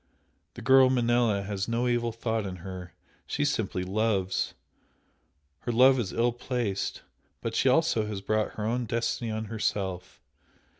The girl Manella has no evil thought in her she simply loves! her love is ill placed, but she also has brought her own destiny on herself.